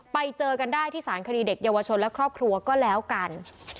ไปเจอกันได้ที่สารคดีเด็กเยาวชนและครอบครัวก็แล้วกัน